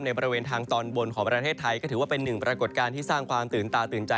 บริเวณทางตอนบนของประเทศไทยก็ถือว่าเป็นหนึ่งปรากฏการณ์ที่สร้างความตื่นตาตื่นใจ